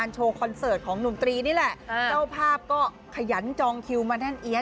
โชว์คอนเสิร์ตของหนุ่มตรีนี่แหละเจ้าภาพก็ขยันจองคิวมาแน่นเอี๊ยด